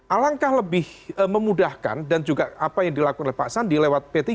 alangkah lebih memudahkan dan juga apa yang dilakukan oleh pak sandi lewat p tiga